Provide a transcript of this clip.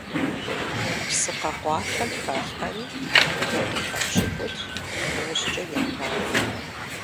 Псы къэкъуалъэм халъхьэри дакъикъэ пщыкӏутху-тӏощӏкъэ ягъавэ.